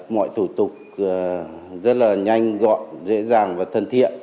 mọi thủ tục rất là nhanh gọn dễ dàng và thân thiện